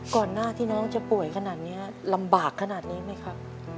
ก่อนหน้าที่น้องจะป่วยขนาดนี้ลำบากขนาดนี้ไหมครับ